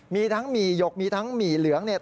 มีทั้งหมี่หยกมีทั้งหมี่เหลืองเนี่ย